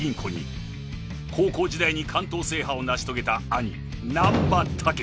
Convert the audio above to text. ［高校時代に関東制覇を成し遂げた兄難破猛］